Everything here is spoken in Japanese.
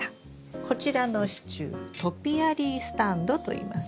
こちらの支柱トピアリースタンドと言います。